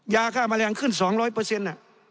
ยาฆ่าแมลงขึ้น๒๐๐เปอร์เซ็นต์